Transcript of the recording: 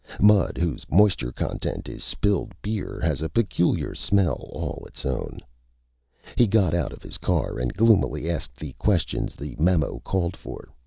Mud whose moisture content is spilled beer has a peculiar smell all its own. He got out of his car and gloomily asked the questions the memo called for.